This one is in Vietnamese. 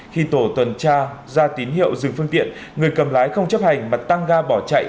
khi tổ tuần tra ra tín hiệu dừng phương tiện người cầm lái không chấp hành mà tăng ga bỏ chạy